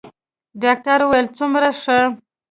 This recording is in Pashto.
ډاکتر وويل څومره ښه.